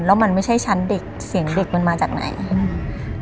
แล้วมันไม่ใช่ชั้นเด็กเสียงเด็กมันมาจากไหนอืม